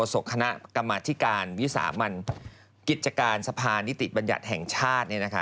ศกคณะกรรมธิการวิสามันกิจการสะพานนิติบัญญัติแห่งชาติ